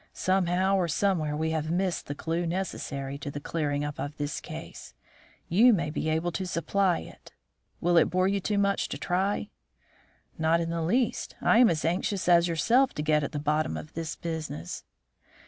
Somehow or somewhere we have missed the clue necessary to the clearing up of this case. You may be able to supply it. Will it bore you too much to try?" "Not in the least. I am as anxious as yourself to get at the bottom of this business."